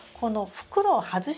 袋を外す。